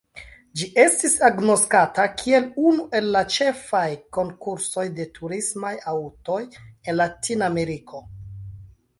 Ĝi estis agnoskata kiel unu el la ĉefaj konkursoj de turismaj aŭtoj en Latinameriko.